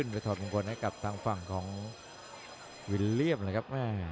ไปถ่อมงคลให้กลับทางฝั่งของวิลเลี่ยมครับ